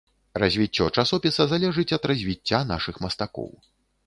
Развіццё часопіса залежыць ад развіцця нашых мастакоў.